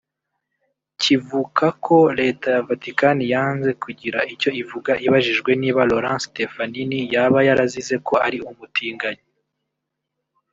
kivuka ko Leta ya Vatikani yanze kugira icyo ivuga ibajijwe niba Laurent Stefanini yaba yarazize ko ari umutinganyi